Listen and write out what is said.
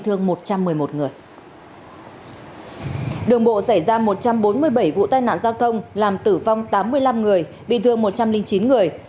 thương một trăm một mươi một người ở đường bộ xảy ra một trăm bốn mươi bảy vụ tai nạn giao thông làm tử vong tám mươi năm người bị thương một trăm linh chín người